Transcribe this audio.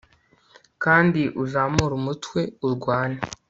kandi uzamure umutwe urwane